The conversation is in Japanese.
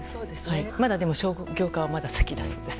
まだでも商業化は先だそうです。